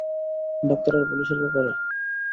Doctor আর পুলিশের ব্যাপারে?